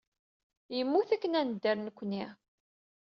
Yemmut akken ad nedder nekkni.